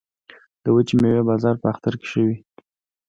د وچې میوې بازار په اختر کې ښه وي